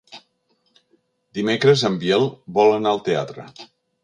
Dimecres en Biel vol anar al teatre.